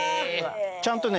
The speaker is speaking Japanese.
ちゃんとね。